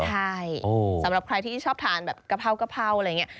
ใช่สำหรับใครที่ชอบทานแบบกะเพรากะเพราอะไรอย่างนี้